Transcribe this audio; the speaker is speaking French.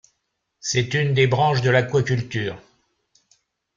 C’est une des branches de l'aquaculture.